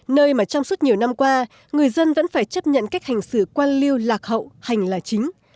nơi mà trong suốt nhiều năm qua người dân vẫn phải chấp nhận cách hành xử quan liêu lạc hậu hành là chính